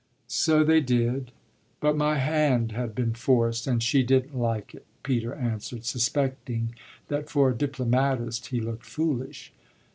"So they did, but my hand had been forced and she didn't like it," Peter answered, suspecting that for a diplomatist he looked foolish.